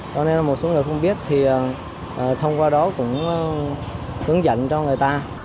cho nên một số người không biết thì thông qua đó cũng hướng dẫn cho người ta